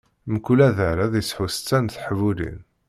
Mkul adar ad isɛu setta n teḥbulin.